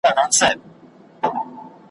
ډېر اوږد او له خوښیو ډک ژوند دې په برخه شه